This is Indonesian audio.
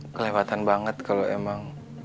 kelewatan banget kalau emang